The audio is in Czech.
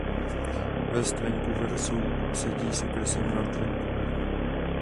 West Vancouver sousedí s okresem North Vancouver.